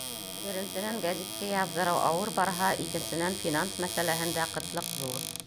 Беренсенән, гәзиткә яҙҙырыу ауыр барһа, икенсенән, финанс мәсьәләһендә ҡытлыҡ ҙур.